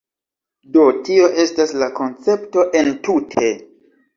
Do, tio estas la koncepto entute